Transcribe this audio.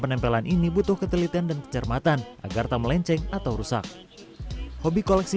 penempelan ini butuh ketelitian dan kecermatan agar tak melenceng atau rusak hobi koleksi